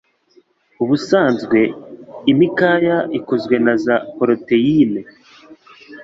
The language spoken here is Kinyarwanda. Ubusanzwe, imikaya ikozwe na za poroteyine